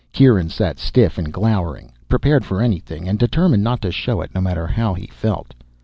Kieran sat stiff and glowering, prepared for anything and determined not to show it no matter how he felt.